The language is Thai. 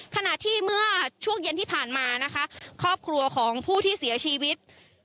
ขณะที่เมื่อช่วงเย็นที่ผ่านมานะคะครอบครัวของผู้ที่เสียชีวิต